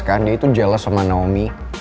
kan dia itu jelas sama naomi